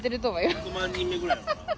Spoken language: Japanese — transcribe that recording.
１００万人目ぐらいやろうな。